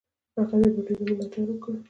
هغه د بودیزم ملاتړ وکړ.